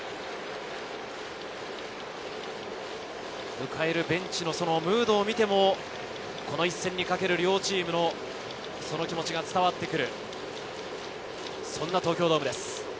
迎えるベンチのムードを見ても、この一戦に懸ける両チームの気持ちが伝わってくる、そんな東京ドームです。